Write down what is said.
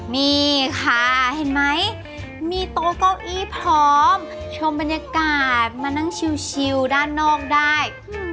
นี่ค่ะเห็นไหมมีโต๊ะเก้าอี้พร้อมชมบรรยากาศมานั่งชิวด้านนอกได้